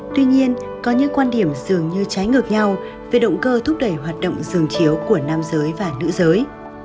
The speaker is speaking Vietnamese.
tuy nhiên có những quan điểm dường như trái ngược nhau về động cơ thúc đẩy hoạt động dường chiếu của nam giới và nữ giới